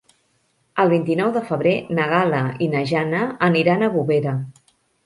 El vint-i-nou de febrer na Gal·la i na Jana aniran a Bovera.